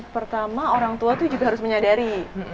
pertama orang tua tuh juga harus menyadari